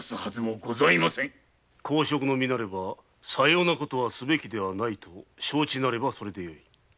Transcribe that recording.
公職の身なればさようなことはすべきでないと承知なればそれでよい。